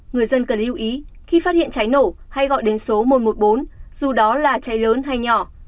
người dân cần lưu ý khi phát hiện cháy nổ hay gọi đến số một trăm một mươi bốn dù đó là cháy lớn hay nhỏ